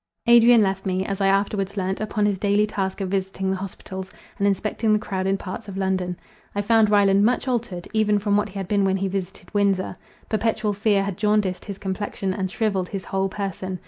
Adrian left me, as I afterwards learnt, upon his daily task of visiting the hospitals, and inspecting the crowded parts of London. I found Ryland much altered, even from what he had been when he visited Windsor. Perpetual fear had jaundiced his complexion, and shrivelled his whole person.